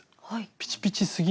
ピチピチすぎない。